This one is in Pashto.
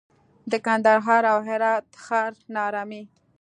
د کندهار او هرات ښار ناارامي